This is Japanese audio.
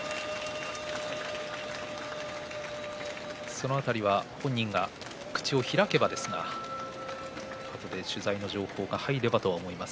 その辺りは本人が口を開けばですが取材の情報が入ればと思います。